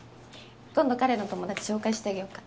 今度彼の友達紹介してあげよっか。